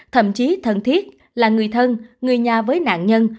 thậm chí thân thiết là người thân người nhà với nạn nhân